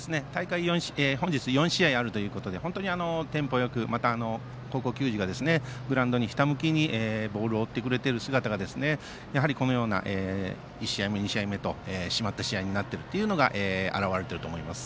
本日は４試合あるということで本当にテンポよくまた高校球児が白球を追ってくれている姿がやはりこのような１試合目２試合目と締まった試合になったことに表れていると思います。